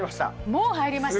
もう入りました！